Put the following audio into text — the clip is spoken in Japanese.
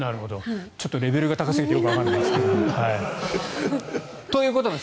ちょっとレベルが高すぎてよくわからないですが。ということです。